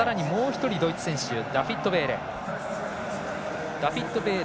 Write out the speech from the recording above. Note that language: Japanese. さらにもう１人ドイツ選手ダフィット・ベーレ。